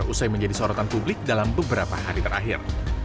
usai menjadi sorotan publik dalam beberapa hari terakhir